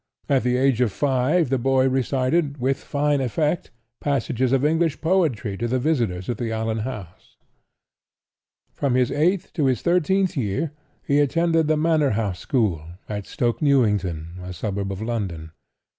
At the age of five the boy recited, with fine effect, passages of English poetry to the visitors at the Allan house. From his eighth to his thirteenth year he attended the Manor House school, at Stoke Newington, a suburb of London.